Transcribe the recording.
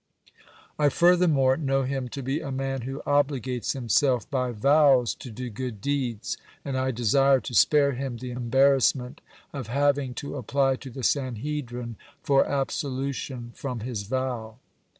I furthermore know him to be a man who obligates himself by vows to do good deeds, and I desire to spare him the embarrassment of having to apply to the Sanhedrin for absolution from his vow."